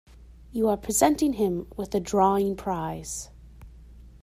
You are presenting him with the drawing prize.